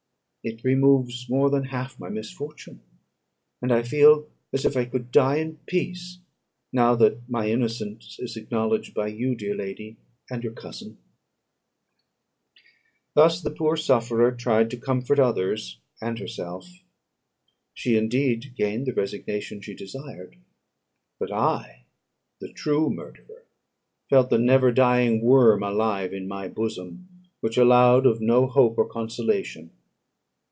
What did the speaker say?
It removes more than half my misfortune; and I feel as if I could die in peace, now that my innocence is acknowledged by you, dear lady, and your cousin." Thus the poor sufferer tried to comfort others and herself. She indeed gained the resignation she desired. But I, the true murderer, felt the never dying worm alive in my bosom, which allowed of no hope or consolation.